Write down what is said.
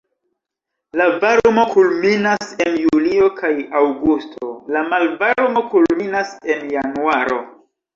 La varmo kulminas en julio kaj aŭgusto, la malvarmo kulminas en januaro.